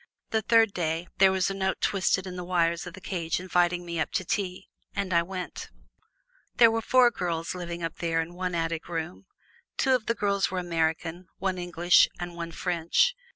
The third day, there was a note twisted in the wires of the cage inviting me up to tea. And I went. There were four girls living up there in one attic room. Two of these girls were Americans, one English and one French.